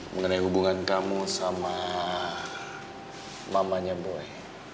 mengenai hubungan kamu sama mamanya boleh